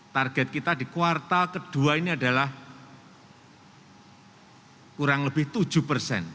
target kita di kuartal kedua ini adalah kurang lebih tujuh persen